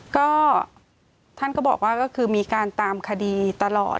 ก็ท่านก็บอกว่าก็คือมีการตามคดีตลอด